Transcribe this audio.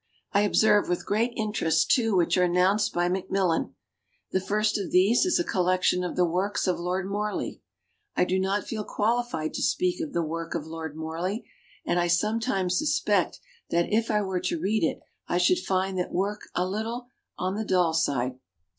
I observe with great interest two which are announced by Macmillan. The first of these is a collection of the works of Lord Morley. I do not feel qualified to speak of the work of Lord Horley» and I sometimes suspect that if I were to read it I should find that work a little on the dull side.